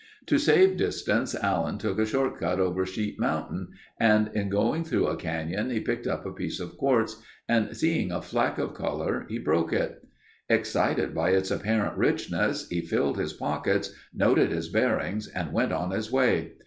To save distance, Allen took a short cut over Sheep Mountain and in going through a canyon he picked up a piece of quartz and seeing a fleck of color, he broke it. Excited by its apparent richness he filled his pockets, noted his bearings and went on his way.